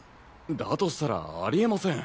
だとしたらありえません！